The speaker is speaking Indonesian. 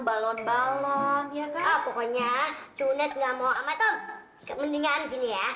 balon balon ya pokoknya cunet nggak mau ama tom kemendingan gini ya